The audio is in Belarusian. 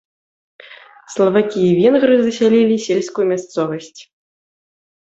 Славакі і венгры засялілі сельскую мясцовасць.